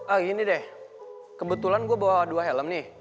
ah gini deh kebetulan gue bawa dua helm nih